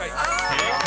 ［正解。